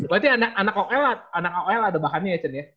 berarti anak oel ada bahannya ya ced ya